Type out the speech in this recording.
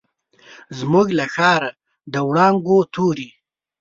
زموږ له ښاره، د وړانګو توري